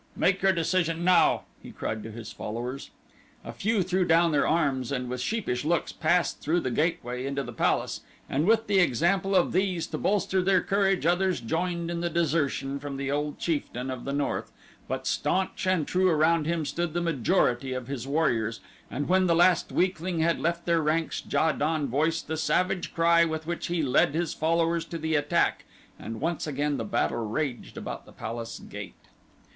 Make your decision now," he cried to his followers. A few threw down their arms and with sheepish looks passed through the gateway into the palace, and with the example of these to bolster their courage others joined in the desertion from the old chieftain of the north, but staunch and true around him stood the majority of his warriors and when the last weakling had left their ranks Ja don voiced the savage cry with which he led his followers to the attack, and once again the battle raged about the palace gate.